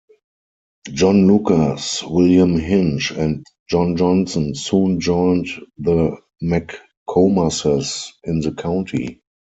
John Lucas, William Hinch, and John Johnson soon joined the McComases in the county.